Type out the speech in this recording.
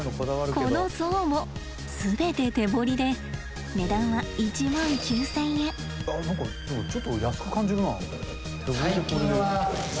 この像も全て手彫りで値段は何かちょっと安く感じるな。